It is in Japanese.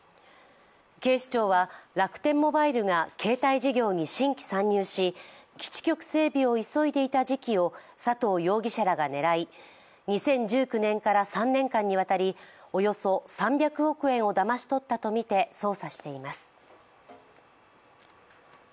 警視庁は、楽天モバイルが携帯事業に新規参入し基地局整備を急いでいた時期を佐藤容疑者らが狙い、２０１９年から３年間にわたりおよそ３００億円をだまし取ったとみて捜査しています。